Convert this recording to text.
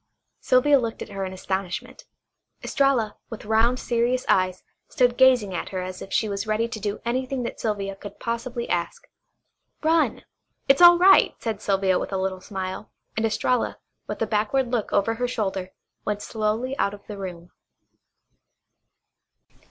Sylvia looked at her in astonishment. Estralla, with round serious eyes, stood gazing at her as if she was ready to do anything that Sylvia could possibly ask. "Run. It's all right," said Sylvia with a little smile, and Estralla, with a backward look over her shoulder, went slowly out of the room.